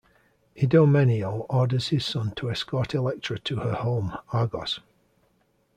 Idomeneo orders his son to escort Electra to her home, Argos.